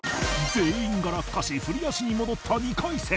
全員が落下し振り出しに戻った２回戦